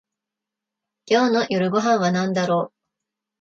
今日の夜ご飯はなんだろう